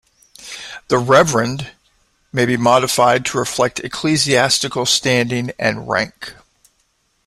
"The Reverend" may be modified to reflect ecclesiastical standing and rank.